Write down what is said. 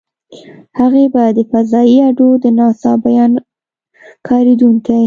هغې به د فضايي اډو - د ناسا بیا کارېدونکې.